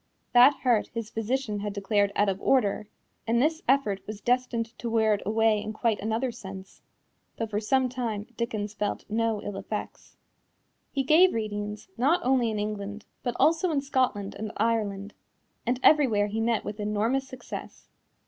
That heart his physician had declared out of order, and this effort was destined to wear it away in quite another sense, though for some time Dickens felt no ill effects. He gave readings, not only in England, but also in Scotland and Ireland, and everywhere he met with enormous success.